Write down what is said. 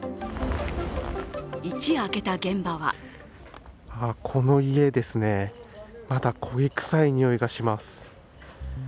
一夜明けた現場はこの家ですね、まだ焦げ臭いにおいがします。